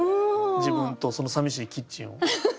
自分とその寂しいキッチンを。